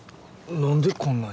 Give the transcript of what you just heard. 何でこんなに？